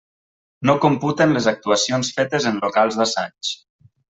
No computen les actuacions fetes en locals d'assaig.